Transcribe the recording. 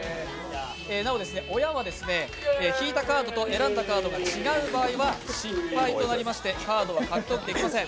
なお親は引いたカードと選んだカードが違う場合は失敗となりましてカードは獲得できません。